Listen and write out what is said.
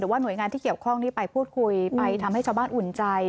ว่าหน่วยงานที่เกี่ยวข้องที่ไปพูดคุยไปทำให้ชาวบ้านอุ่นใจ